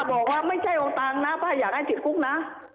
แต่ป้าบอกว่าไม่ใช่องค์ตังนะป้าอยากให้จิตกุ๊กนะ